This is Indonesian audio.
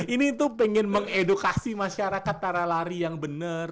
ini tuh pengen mengedukasi masyarakat cara lari yang benar